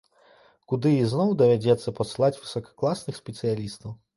Куды ізноў давядзецца пасылаць высакакласных спецыялістаў.